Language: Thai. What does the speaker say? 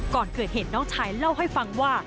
ก่อนเกิดเหตุน้องชายเล่าให้ฟังว่า